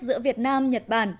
giữa việt nam nhật bản